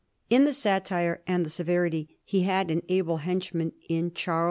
In the satire and the severity he had an able henchman in Charles Churchill.